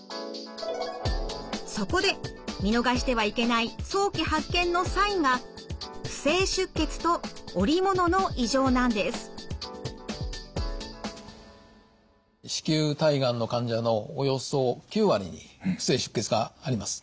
そこで見逃してはいけない早期発見のサインが子宮体がんの患者のおよそ９割に不正出血があります。